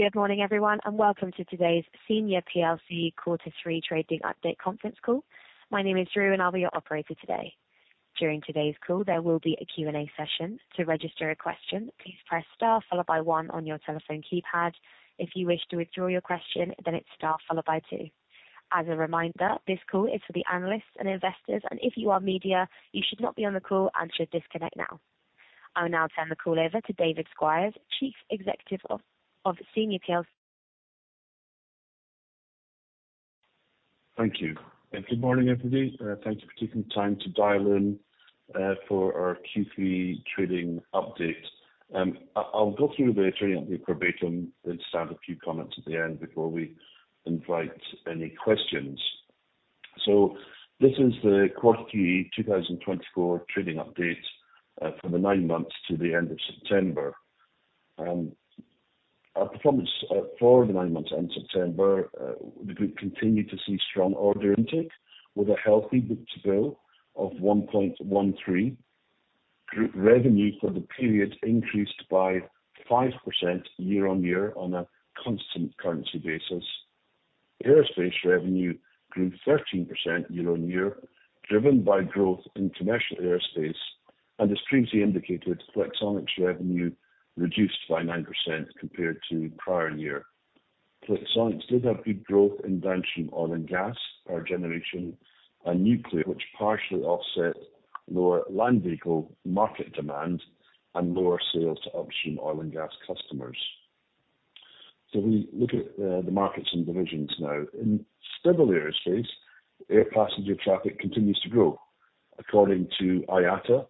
Good morning, everyone, and welcome to today's Senior plc Quarter Three Trading Update Conference Call. My name is Drew, and I'll be your operator today. During today's call, there will be a Q&A session. To register a question, please press star followed by one on your telephone keypad. If you wish to withdraw your question, then it's star followed by two. As a reminder, this call is for the analysts and investors, and if you are media, you should not be on the call and should disconnect now. I'll now turn the call over to David Squires, Chief Executive of Senior plc. Thank you, and good morning, everybody. Thank you for taking the time to dial in for our Q3 Trading Update. I'll go through the interim [verbatim], then just add a few comments at the end before we invite any questions. This is the Q3 2024 trading update for the nine months to the end of September. Our performance for the nine months ended September, the group continued to see strong order intake with a healthy book-to-bill of 1.13. Group revenue for the period increased by 5% year-on-year on a constant currency basis. Aerospace revenue grew 13% year-on-year, driven by growth in commercial Aerospace, and as previously indicated, Flexonics revenue reduced by 9% compared to prior year. Flexonics did have good growth in downstream oil and gas, power generation, and nuclear, which partially offset lower Land Vehicle market demand and lower sales to upstream oil and gas customers. So we look at, the markets and divisions now. In Civil Aerospace, air passenger traffic continues to grow. According to IATA,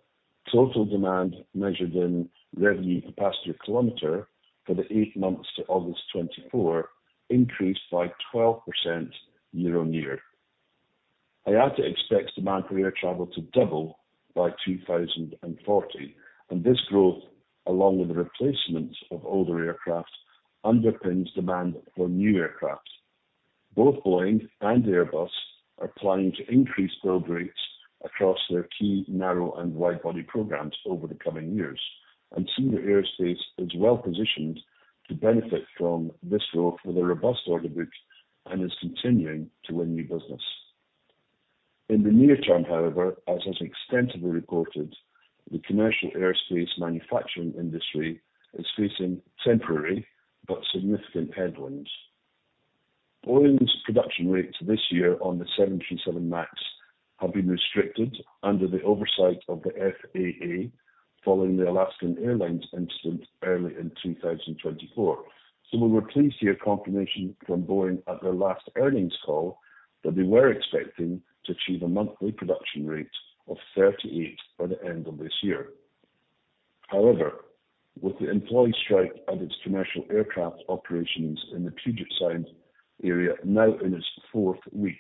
total demand, measured in revenue passenger kilometers for the eight months to August twenty-four, increased by 12% year-on-year. IATA expects demand for air travel to double by 2040 and this growth, along with the replacement of older aircraft, underpins demand for new aircraft. Both Boeing and Airbus are planning to increase build rates across their key narrow and wide-body programs over the coming years, and Senior Aerospace is well positioned to benefit from this growth with a robust order book and is continuing to win new business. In the near term, however, as is extensively reported, the commercial Aerospace manufacturing industry is facing temporary but significant headwinds. Boeing's production rates this year on the 737 MAX have been restricted under the oversight of the FAA, following the Alaska Airlines incident early in 2024. So we were pleased to hear confirmation from Boeing at their last earnings call that they were expecting to achieve a monthly production rate of 38 by the end of this year. However, with the employee strike at its commercial aircraft operations in the Puget Sound area now in its fourth week,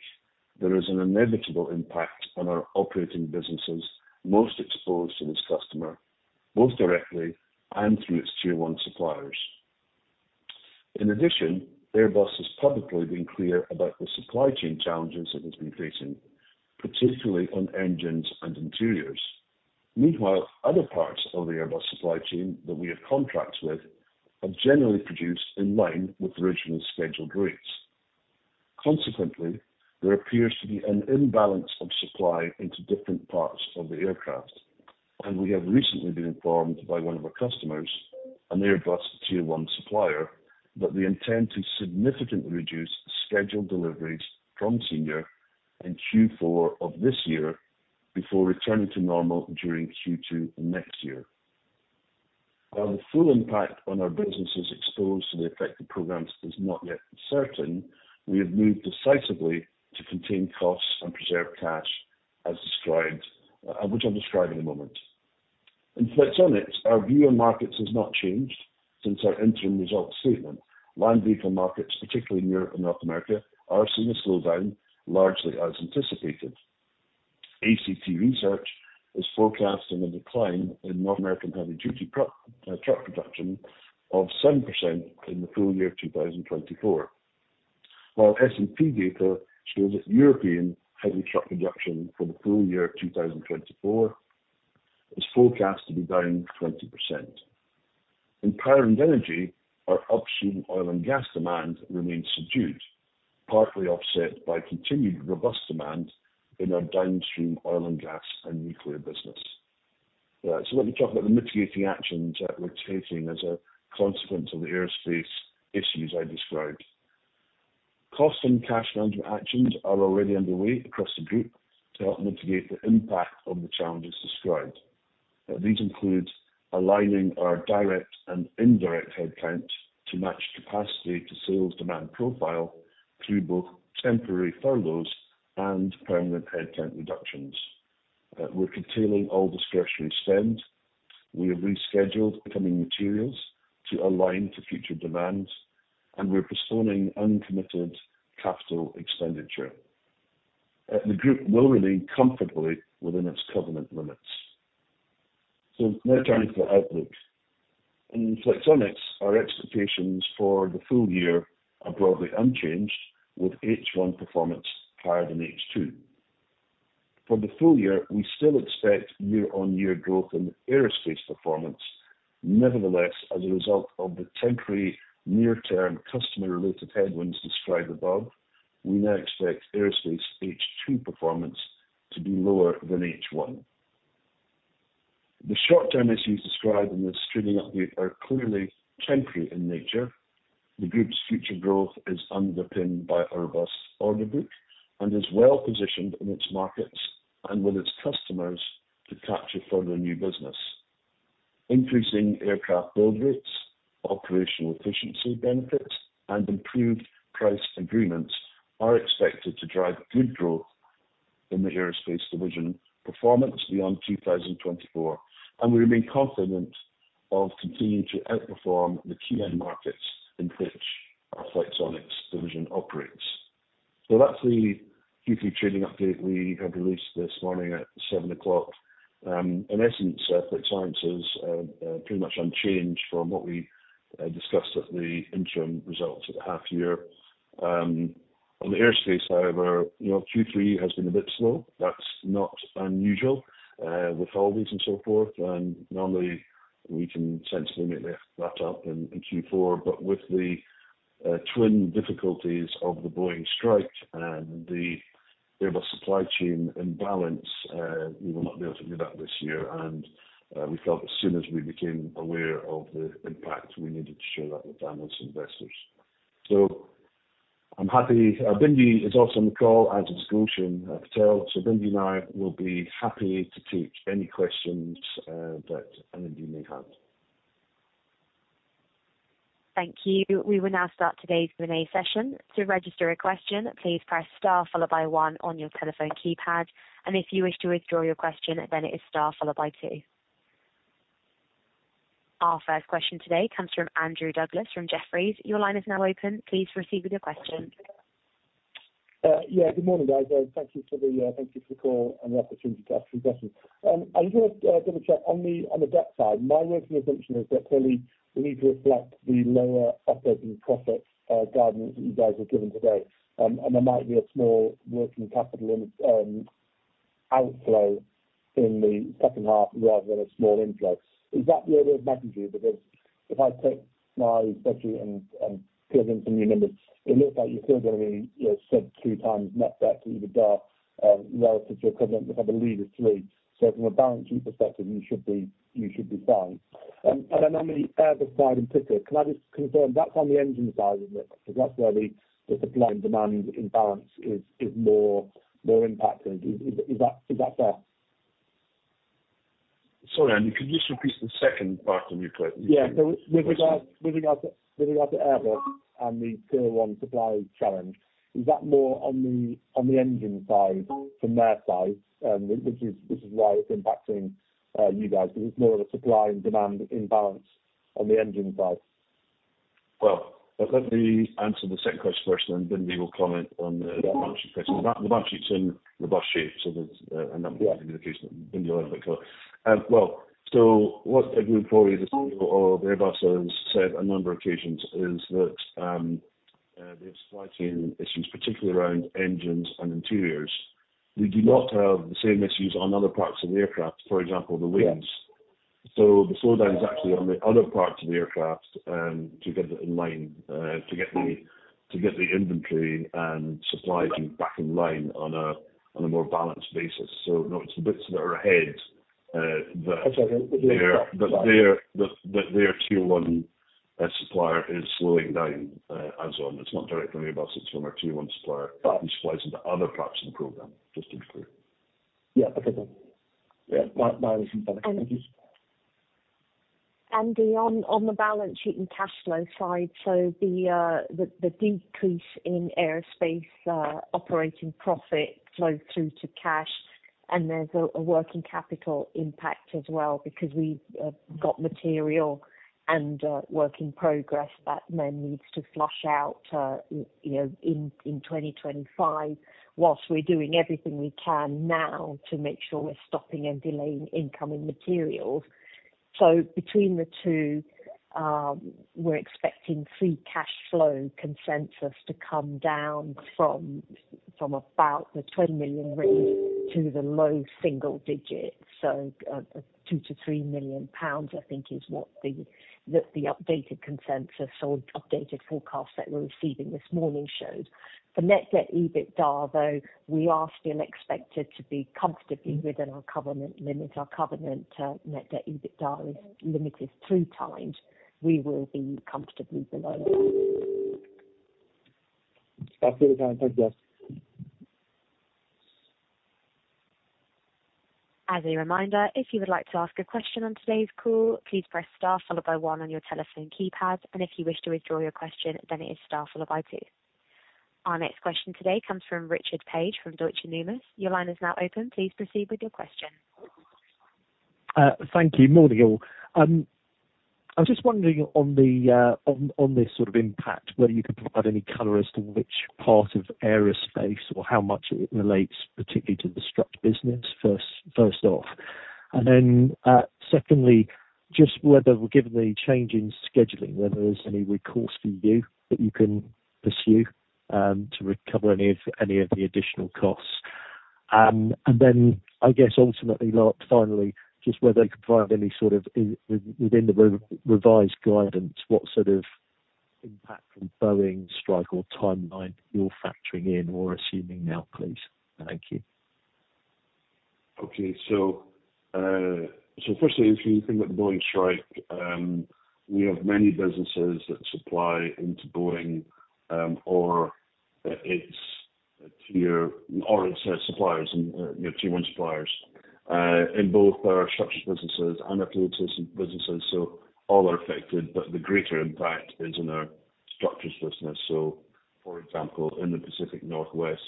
there is an inevitable impact on our operating businesses most exposed to this customer, both directly and through its Tier 1 suppliers. In addition, Airbus has publicly been clear about the supply chain challenges it has been facing, particularly on engines and interiors. Meanwhile, other parts of the Airbus supply chain that we have contracts with are generally produced in line with original scheduled rates. Consequently, there appears to be an imbalance of supply into different parts of the aircraft, and we have recently been informed by one of our customers, an Airbus Tier 1 supplier, that they intend to significantly reduce scheduled deliveries from Senior in Q4 of this year before returning to normal during Q2 next year. While the full impact on our businesses exposed to the affected programs is not yet certain, we have moved decisively to contain costs and preserve cash, as described, which I'll describe in a moment. In Flexonics, our view on markets has not changed since our interim results statement. Land Vehicle markets, particularly in Europe and North America, are seeing a slowdown, largely as anticipated. ACT Research is forecasting a decline in North American heavy-duty truck production of 7% in the full year of 2024, while S&P data shows that European heavy truck production for the full year of 2024 is forecast to be down 20%. In Power & Energy, our upstream oil and gas demand remains subdued, partly offset by continued robust demand in our downstream oil and gas and nuclear business. So let me talk about the mitigating actions that we're taking as a consequence of the Aerospace issues I described. Cost and cash management actions are already underway across the group to help mitigate the impact of the challenges described. These include aligning our direct and indirect headcount to match capacity to sales demand profile through both temporary furloughs and permanent headcount reductions. We're containing all discretionary spend, we have rescheduled incoming materials to align to future demand, and we're postponing uncommitted capital expenditure. The group will remain comfortably within its covenant limits. So now turning to the outlook. In Flexonics, our expectations for the full year are broadly unchanged, with H1 performance higher than H2. For the full year, we still expect year-on-year growth in Aerospace performance. Nevertheless, as a result of the temporary near-term customer-related headwinds described above, we now expect Aerospace H2 performance to be lower than H1. The short-term issues described in this trading update are clearly temporary in nature. The group's future growth is underpinned by our robust order book, and is well positioned in its markets and with its customers to capture further new business. Increasing aircraft build rates, operational efficiency benefits, and improved price agreements are expected to drive good growth in the Aerospace division performance beyond 2024, and we remain confident of continuing to outperform the key end markets in which our Flexonics division operates. That's the Q3 trading update we have released this morning at 7:00 A.M. In essence, Flexonics is pretty much unchanged from what we discussed at the interim results at the half year. On the Aerospace, however, you know, Q3 has been a bit slow. That's not unusual with holidays and so forth, and normally we can sensibly make that up in Q4. But with the twin difficulties of the Boeing strike and the Airbus supply chain imbalance, we will not be able to do that this year. We felt as soon as we became aware of the impact, we needed to share that with analysts and investors. I'm happy, Bindi is also on the call, as is Gulshan Patel. Bindi and I will be happy to take any questions that anybody may have. Thank you. We will now start today's Q&A session. To register a question, please press star followed by one on your telephone keypad, and if you wish to withdraw your question, then it is star followed by two. Our first question today comes from Andrew Douglas from Jefferies. Your line is now open. Please proceed with your question. Yeah, good morning, guys. Thank you for the call and the opportunity to ask some questions. I just wanna double check on the debt side. My working assumption is that clearly we need to reflect the lower operating profit guidance that you guys have given today. And there might be a small working capital outflow in the second half rather than a small influx. Is that the order of magnitude? Because if I take my budget and plug in some new numbers, it looks like you're still gonna be, you know, three times net debt to EBITDA relative to covenant, which I believe is three. So from a balancing perspective, you should be fine. And then on the Airbus side in particular, can I just confirm that's on the engine side of it? Because that's where the supply and demand imbalance is more impactful. Is that fair? Sorry, Andrew, could you just repeat the second part of your que- Yeah. Question. With regards to Airbus and the Tier 1 supply challenge, is that more on the engine side from their side? Which is why it's impacting you guys, because it's more of a supply and demand imbalance on the engine side. Let me answer the second question first, and then we will comment on the balance sheet question. The balance sheet's in good shape, so there's a number of communications on the call. Well, so what everyone knows is, as Airbus has said on a number of occasions, is that the supply chain issues, particularly around engines and interiors, we do not have the same issues on other parts of the aircraft, for example, the wings. Yeah. So the slowdown is actually on the other parts of the aircraft, to get it in line, to get the- Mm. To get the inventory and supply chain back in line on a more balanced basis. So no, it's the bits that are ahead, that- Okay. That their Tier 1 supplier is slowing down. It's not directly Airbus, it's from our Tier 1 supplier- Got it. Who supplies into other parts of the program, just to be clear? Yeah, okay. Yeah, that is fantastic. Andrew, on the balance sheet and cash flow side, so the decrease in Aerospace operating profit flows through to cash, and there's a working capital impact as well, because we've got material and work in progress that then needs to flush out, you know, in 2025. While we're doing everything we can now to make sure we're stopping and delaying incoming materials. Between the two, we're expecting free cash flow consensus to come down from about the 10 million range to the low single digits. Two to three million GBP, I think, is what the updated consensus or updated forecast that we're receiving this morning showed. For net debt EBITDA, though, we are still expected to be comfortably within our covenant limit. Our covenant, net debt EBITDA is limited three times. We will be comfortably below that. That's really helpful, yes. As a reminder, if you would like to ask a question on today's call, please press star followed by one on your telephone keypad, and if you wish to withdraw your question, then it is star followed by two. Our next question today comes from Richard Paige, from Deutsche Numis. Your line is now open. Please proceed with your question. Thank you. Morning, all. I was just wondering on this sort of impact, whether you could provide any color as to which part of Aerospace or how much it relates, particularly to the structures business, first off? And then, secondly, just whether, given the change in scheduling, whether there's any recourse for you that you can pursue to recover any of the additional costs? And then, I guess, ultimately, finally, just whether you can provide any sort of within the revised guidance, what sort of impact from Boeing strike or timeline you're factoring in or assuming now, please? Thank you. Okay. So, firstly, if you think about the Boeing strike, we have many businesses that supply into Boeing, or its suppliers and, you know, Tier 1 suppliers, in both our structures businesses and our businesses. So all are affected, but the greater impact is on our structures business. So, for example, in the Pacific Northwest,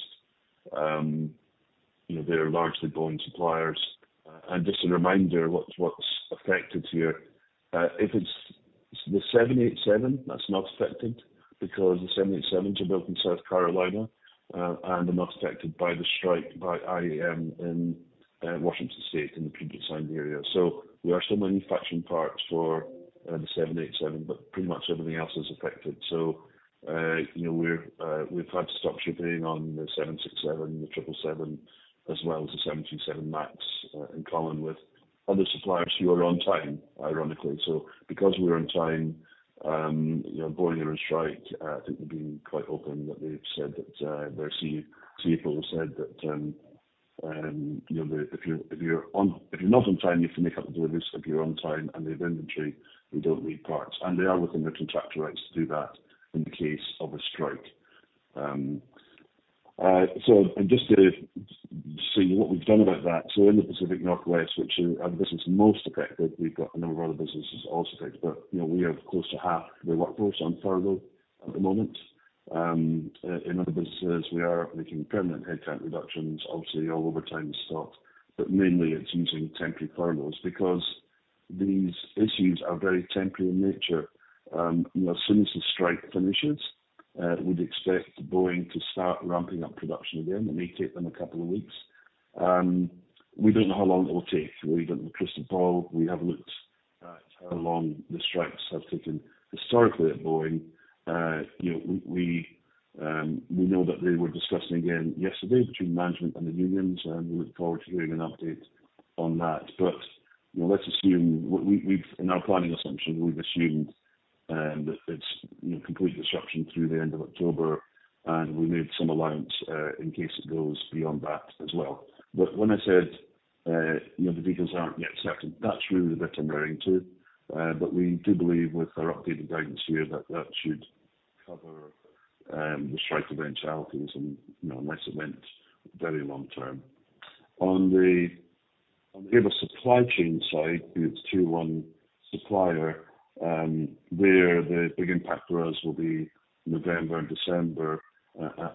you know, they are largely Boeing suppliers. And just a reminder, what's affected here, if it's the 787, that's not affected because the 787 are built in South Carolina, and are not affected by the strike, by IAM in Washington State, in the Puget Sound area. So we are still manufacturing parts for the 787, but pretty much everything else is affected. So, you know, we've had to stop shipping on the 767, the 777, as well as the 737 MAX, in common with other suppliers who are on time, ironically. So, because we're on time, you know, Boeing are on strike. I think they've been quite open that they've said that, their CFO said that, you know, if you're not on time, you can make up a delivery. If you're on time and they have inventory, they don't need parts. And they are within their contractual rights to do that in the case of a strike. Just to see what we've done about that. In the Pacific Northwest, which are the businesses most affected, we've got a number of other businesses also affected, but you know, we have close to half the workforce on furlough at the moment. In other businesses, we are making permanent headcount reductions. Obviously, all overtime has stopped, but mainly it's using temporary furloughs because these issues are very temporary in nature. You know, as soon as the strike finishes, we'd expect Boeing to start ramping up production again. It may take them a couple of weeks. We don't know how long it will take. We don't crystal ball. We have looked at how long the strikes have taken historically at Boeing. You know, we know that they were discussing again yesterday between management and the unions, and we look forward to hearing an update on that. But, you know, let's assume, in our planning assumption, we've assumed, that it's, you know, complete disruption through the end of October, and we made some allowance, in case it goes beyond that as well. But when I said, you know, the details aren't yet certain, that's really the bit I'm referring to. But we do believe with our updated guidance here, that that should cover, the strike eventuality and some, you know, unless it went very long term. On the other supply chain side, the Tier 1 supplier, there, the big impact for us will be November and December,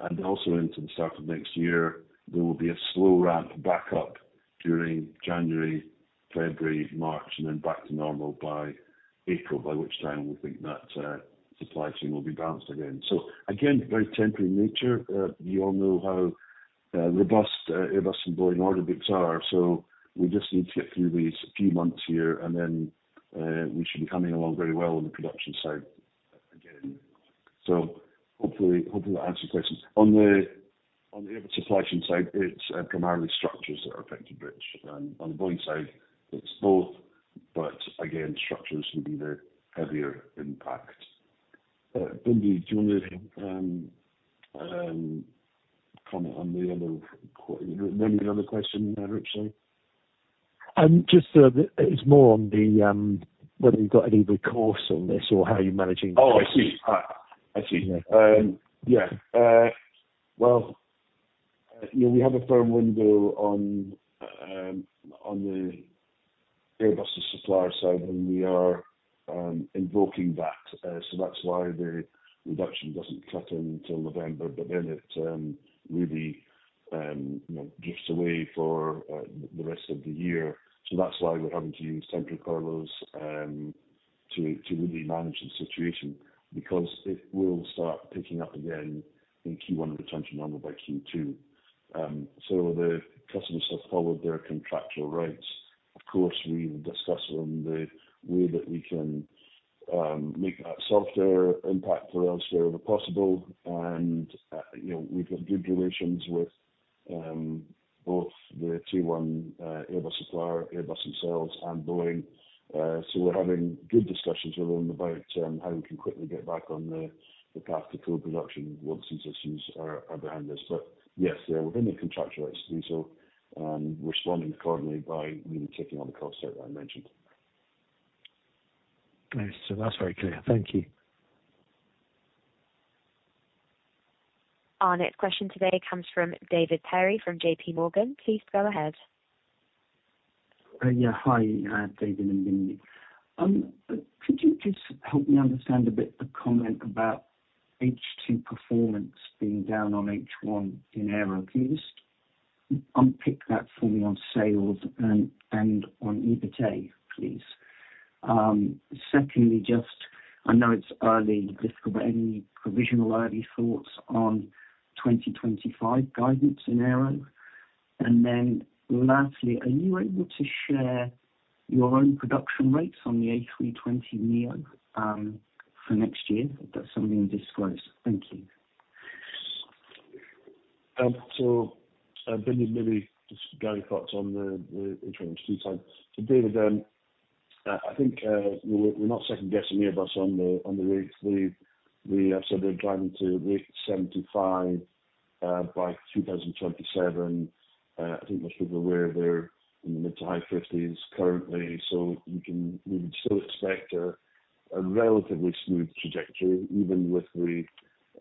and also into the start of next year. There will be a slow ramp back up during January, February, March, and then back to normal by April, by which time we think that supply chain will be balanced again. So again, very temporary in nature. You all know how robust Airbus and Boeing order books are, so we just need to get through these few months here, and then we should be humming along very well on the production side again. So hopefully, hopefully, that answers your questions. On the Airbus supply chain side, it's primarily structures that are affected, Rich. On the Boeing side, it's both, but again, structures will be the heavier impact. Bindi, do you want to comment on the other question there, Rich, sorry? Just, it's more on whether you've got any recourse on this or how you're managing this? Oh, I see. I see. Yeah. Well, you know, we have a firm window on the Airbus supplier side, and we are invoking that, so that's why the reduction doesn't cut in until November, but then it really, you know, drifts away for the rest of the year, so that's why we're having to use temporary furloughs to really manage the situation, because it will start picking up again in Q1 and return to normal by Q2, so the customers have followed their contractual rights. Of course, we will discuss with them the way that we can make that softer impact for us wherever possible, and you know we've got good relations with both the tier one Airbus supplier, Airbus themselves and Boeing. So we're having good discussions with them about how we can quickly get back on the path to full production once these issues are behind us. But yes, they are within their contractual rights to do so, and responding accordingly by really taking on the cost that I mentioned. Okay. So that's very clear. Thank you. Our next question today comes from David Perry from J.P. Morgan. Please go ahead. Yeah, hi, David and Bindi. Could you just help me understand a bit the comment about H2 performance being down on H1 in Aero? Can you just unpick that for me on sales and, and on EBITDA, please? Secondly, just I know it's early difficult, but any provisional early thoughts on 2025 guidance in Aero? And then lastly, are you able to share your own production rates on the A320neo, for next year? If that's something you disclose. Thank you. Bindi, maybe just guiding thoughts on the A320 side. David, I think we're not second guessing Airbus on the rate plan. We have said they're driving to rate 75 by 2027. I think most people are aware they're in the mid- to high 50s currently, so we would still expect a relatively smooth trajectory, even with the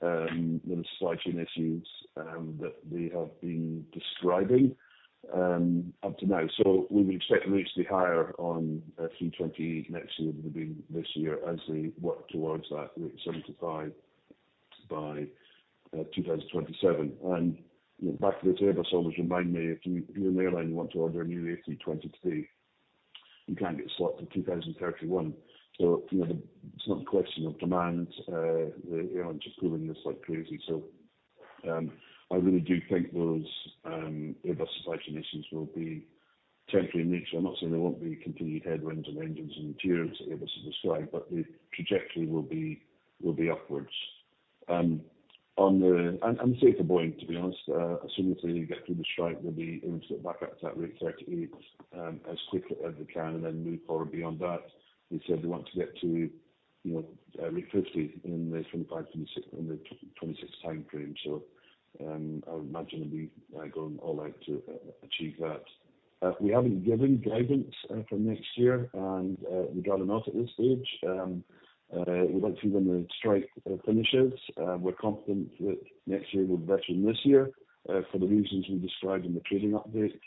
supply chain issues that they have been describing up to now. So we would expect the rates to be higher on 320 next year than they've been this year, as we work towards that rate 75 by 2027. You know, back-of-the-envelope always reminds me, if you are an airline, you want to order a new A320 today, you can't get a slot till 2031. So, you know, it's not a question of demand, the airlines are pulling this like crazy. So, I really do think those Airbus supply chain issues will be temporary in nature. I'm not saying there won't be continued headwinds on engines and materials that Airbus has described, but the trajectory will be upwards. And the same for Boeing, to be honest, as soon as they get through the strike, they'll be able to back up to that rate 38 as quickly as they can and then move forward beyond that. They said they want to get to, you know, rate 50 in the 2025, 2026 - in the 2026 time frame. So, I would imagine they'll be going all out to achieve that. We haven't given guidance for next year and we got enough at this stage. We went through when the strike finishes. We're confident that next year will be better than this year for the reasons we described in the trading update.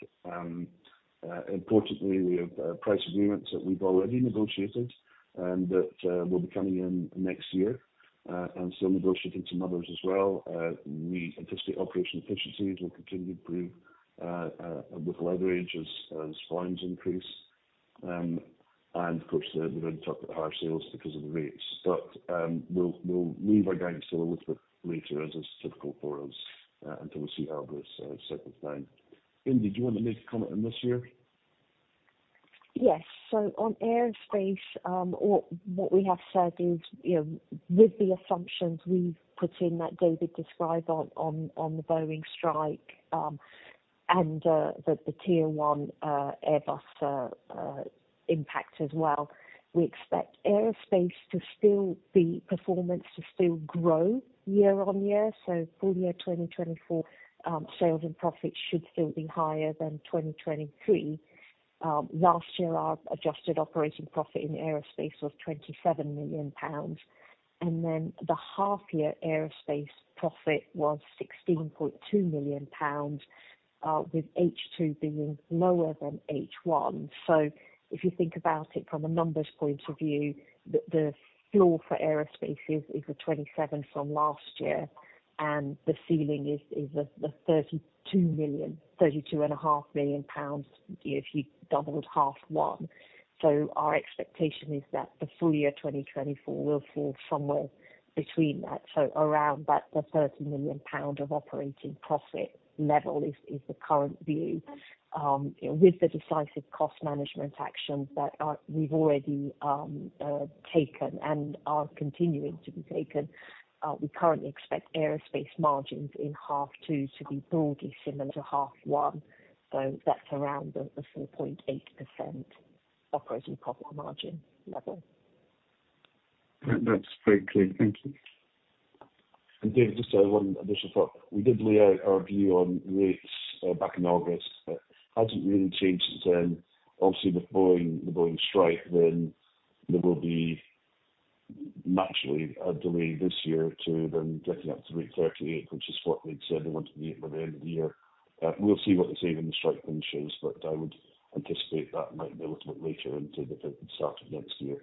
Importantly, we have price agreements that we've already negotiated and that will be coming in next year. And still negotiating some others as well. We anticipate operational efficiencies will continue to improve with leverage as volumes increase. And of course, the higher sales because of the rates. But, we'll leave our guidance till a little bit later, as is typical for us, until we see how this settles down. Bindi, do you want to make a comment on this year? Yes. So on Aerospace, what we have said is, you know, with the assumptions we've put in, that David described on the Boeing strike, and the Tier 1 Airbus impact as well, we expect Aerospace to still be performance, to still grow year-on-year. So full year, 2024, sales and profits should still be higher than 2023. Last year, our adjusted operating profit in Aerospace was 27 million pounds, and then the half-year Aerospace profit was 16.2 million pounds, with H2 being lower than H1. So if you think about it from a numbers point of view, the floor for Aerospace is the 27 from last year, and the ceiling is the 32 million, 32.5 million pounds, if you doubled half one. So our expectation is that the full year 2024 will fall somewhere between that. So around that, the 30 million pound of operating profit level is the current view. With the decisive cost management actions that we've already taken and are continuing to be taken, we currently expect aerospace margins in half two to be broadly similar to half one. So that's around the 4.8% operating profit margin level. That's very clear. Thank you. And David, just, one additional thought. We did lay out our view on rates, back in August, but hasn't really changed since then. Obviously, with Boeing, the Boeing strike, then there will be naturally a delay this year to then getting up to rate thirty-eight, which is what we'd said we want to be by the end of the year. We'll see what they say when the strike finishes, but I would anticipate that might be a little bit later into the fifth and start of next year,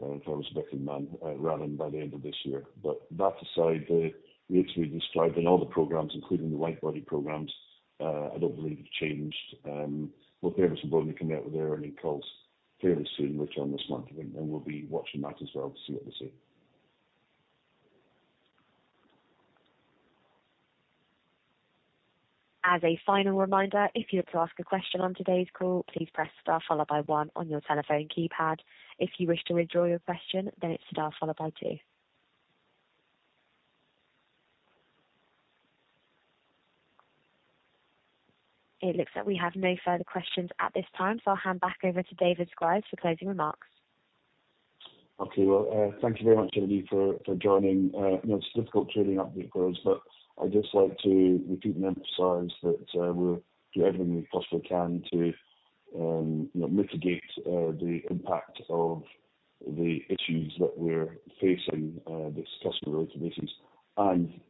in terms of getting that, running by the end of this year. But that aside, the rates we described in all the programs, including the wide-body programs, I don't believe have changed. We'll be able to come out with our early calls fairly soon, later on this month, and we'll be watching that as well to see what they say. As a final reminder, if you'd like to ask a question on today's call, please press star followed by one on your telephone keypad. If you wish to withdraw your question, then it's star followed by two. It looks like we have no further questions at this time, so I'll hand back over to David Squires for closing remarks. Okay. Well, thank you very much, everybody, for joining. You know, it's a difficult trading update for us, but I'd just like to repeat and emphasize that we'll do everything we possibly can to, you know, mitigate the impact of the issues that we're facing, this customer related issues. And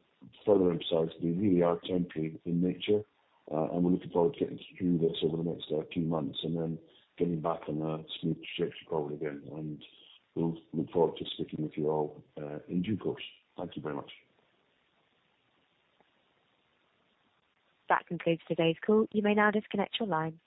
further emphasize, they really are temporary in nature, and we're looking forward to getting through this over the next two months and then getting back on a smooth trajectory forward again. And we'll look forward to speaking with you all in due course. Thank you very much. That concludes today's call. You may now disconnect your line.